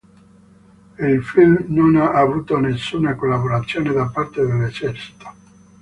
Il film non ha avuto nessuna collaborazione da parte dell'Esercito.